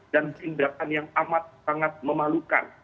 dan tindakan yang amat sangat memalukan